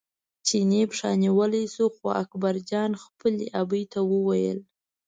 چیني پښه نیولی شو خو اکبرجان خپلې ابۍ ته وویل.